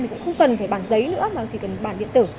thì cũng không cần phải bản giấy nữa mà chỉ cần bản điện tử